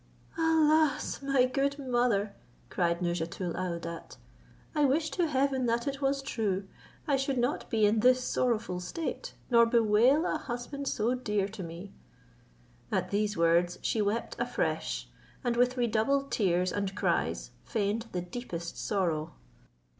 "Alas! my good mother," cried Nouzhatoul aouadat, "I wish to Heaven that it was true! I should not be in this sorrowful state, nor bewail a husband so dear to me!" At these words she wept afresh, and with redoubled tears and cries feigned the deepest sorrow.